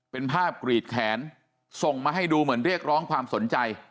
เป็นภาพกรีดแขนส่งมาให้ดูเหมือนเรียกร้องความสนใจ